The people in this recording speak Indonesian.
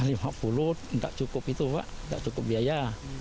nggak cukup itu pak nggak cukup biaya